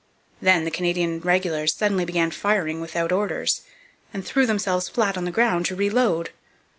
Then the Canadian regulars suddenly began firing without orders, and threw themselves flat on the ground to reload.